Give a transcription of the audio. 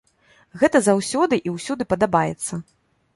Гэта заўсёды і ўсюды падабаецца.